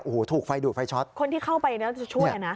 โอ้โหถูกไฟดูดไฟช็อตคนที่เข้าไปแล้วจะช่วยอ่ะนะ